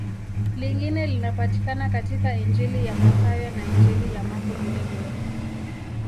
Lingine linapatikana katika Injili ya Mathayo na Injili ya Marko vilevile.